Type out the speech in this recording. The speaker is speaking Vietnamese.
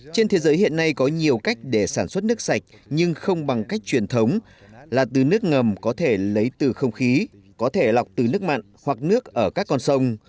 trên thế giới hiện nay có nhiều cách để sản xuất nước sạch nhưng không bằng cách truyền thống là từ nước ngầm có thể lấy từ không khí có thể lọc từ nước mặn hoặc nước ở các con sông